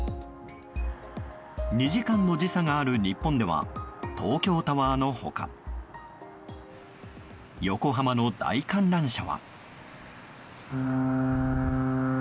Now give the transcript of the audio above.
２時間の時差がある日本では東京タワーの他横浜の大観覧車は。